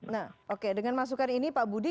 nah oke dengan masukan ini pak budi